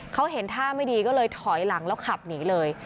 เขาเห็นท่าไม่ดีก็เลยถอยหลังแล้วขับหนีเลย